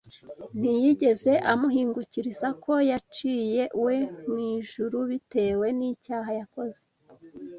ntiyigeze amuhingukiriza ko yaciwe mu ijuru bitewe n’icyaha yakoze